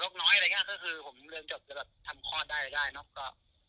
คือผมเลือกฉดฉดทำคลอดได้นั้นค่ะ